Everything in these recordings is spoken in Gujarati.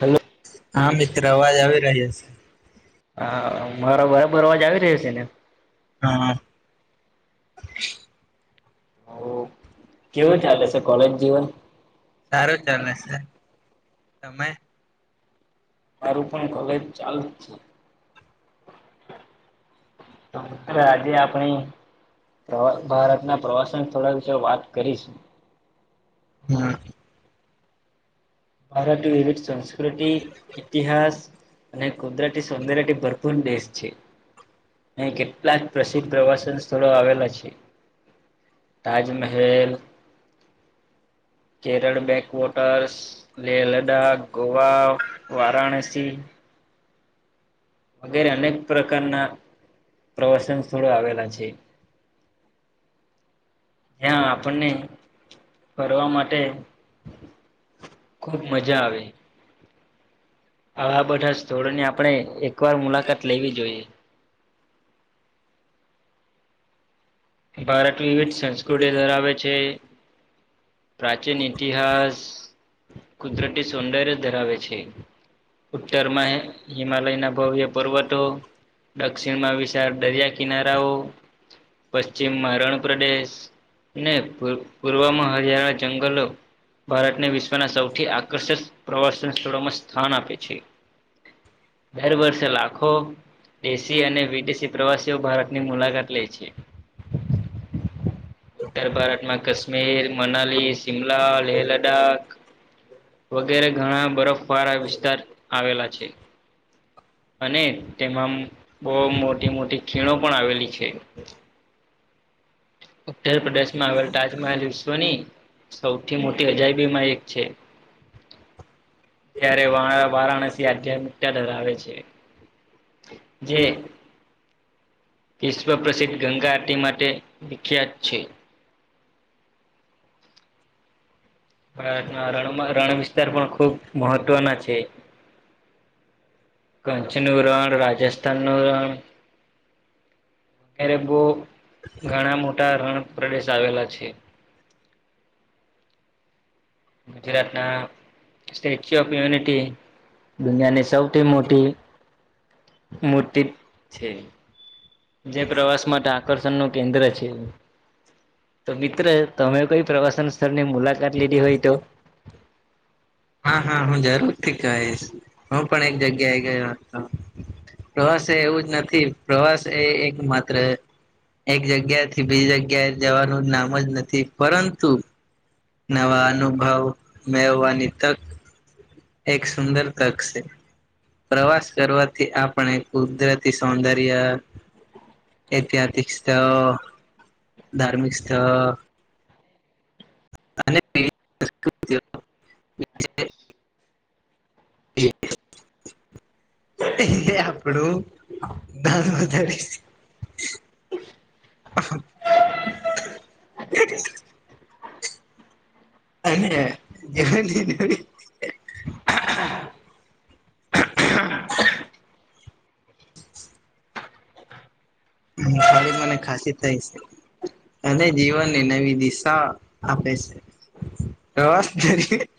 હલો. હા મિત્ર અવાજ આવી રહ્યો છે. હા મારા બરાબર અવાજ આવી રહ્યો છે ને. હા. કેવું ચાલે છે કોલેજ જીવન. સારું ચાલે છે તમે. માારું પણ કોલેજ ચાલુ છે. તો આજે આપણી. ભારતના પ્રવાસન સ્થળો વિશે વાત કરીશું. હમ્મ. ભારત વિવિધ સંસ્કૃતિ ઇતિહાસ અને કુદરતી સૌંદર્યથી ભરપૂર દેશ છે. અહીં કેટલાક પ્રસિદ્ધ પ્રવાસન સ્થળો આવેલા છે. તાજ મહેલ કેરળ બેકવોટર્સ લેહ લદાખ, ગોવા, વારાણસી વગેરે અનેક પ્રકારના પ્રવાસન સ્થળો આવેલા છે. [inaudible] ત્યાં આપણને ફરવા માટે ખુબ મજા આવે. આવા બધા સ્થળો ની આપણે એક વાર મુલાકાત લેવી જોઈએ. ભારત વિવિધ સંસ્કૃતિ ધરાવે છે. પ્રાચીન ઇતિહાસ. કુદરતી સૌંદર્ય ધરાવે છે. ઉત્તરમાં હિમાલયના ભવ્ય પર્વતો દક્ષિણમાં વિશાળ દરિયા કિનારાઓ. પશ્ચિમમાં રણ પ્રદેશ ને પુ પૂર્વમાં હરિયાણા જંગલો ભારતને વિશ્વના સૌથી આકર્ષક પ્રવાસન સ્થળોમાં સ્થાન આપે છે. દર વર્ષે લાખો દેશી અને વિદેશી પ્રવાસીઓ ભારતની મુલાકાત લે છે. ઉત્તર ભારતમાં કાશ્મીર, મનાલી, શિમલા, લેહ લદાખ વગેરે ઘણા બરફવાળા વિસ્તાર આવેલા છે. અને તેમાં બહુ મોટી મોટી ખીણો પણ આવેલી છે. ઉત્તર પ્રદેશ માં આવેલ તાજમહેલ વિશ્વની સૌથી મોટી અજાયબીમાં એક છે. ત્યારે વા વારાણસી આધ્યાત્મિકતા ધરાવે છે. જે વિશ્વ પ્રસિદ્ધ ગંગા આરટી માટે વિખ્યાત છે. ભારતના રણમાં રણ વિસ્તાર પણ ખુબ મહત્વના છે. કચ્છ નું રણ, રાજસ્થાન નું રણ વગેરે બહ. ઘણા મોટા રણ પ્રદેશ આવેલા છે. ગુજરાતના સ્ટેચ્યુ ઓફ યુનિટી દુનિયાની સૌ થી મોટી મોટી મૂર્તિ છે. જે પ્રવાસ માટે આકર્ષણ ન કેન્દ્ર છે તો મિત્ર તમે કઈ પ્રવાસન સ્થળ મુલાકાત લીધી હોય તો. હા હા હું જરૂર થી કહીશ હું પણ એક જગ્યાએ ગયો હતો. પ્રવાસ એવું જ નથી પ્રવાસ એ એક માત્ર. એક જગ્યા થી બીજી જગ્યાએ જવાનું નામ જ નથી પરંતુ નવા અનુભવ મેળવાની [unintelligible] તક. એક સુંદર તર્ક છે. પ્રવાસ કરવાથી આપણે કુદરતી સૌંદર્ય ઐતિહાસિક સ્થળ, ધાર્મિક સ્થળ અને [inaudible] [inaudible] એ આપણું દનું વધારે અને એવ [unintelligible] હવે મને ખાસી થાય છે. અને જીવનને નવી દિશા આપે છે. [unintelligible]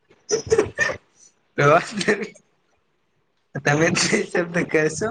[inaudible] [unintelligible] તમે તે હિસાબે કે શો.